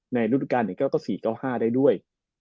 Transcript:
ในดูปการณ์ก็นะครับก็๔๕ได้ด้วย